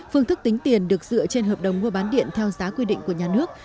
phương thức tính tiền được dựa trên hợp đồng mua bán điện theo giá quy định của nhà nước